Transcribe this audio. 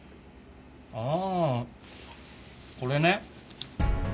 ああこれね。